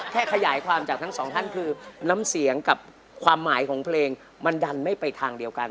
ขยายความจากทั้งสองท่านคือน้ำเสียงกับความหมายของเพลงมันดันไม่ไปทางเดียวกัน